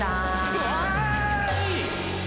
うわあい！